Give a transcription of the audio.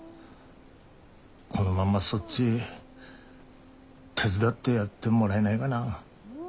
このまんまそっち手伝ってやってもらえないがな。